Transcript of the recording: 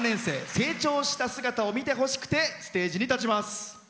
成長した姿を見てほしくてステージに立ちます。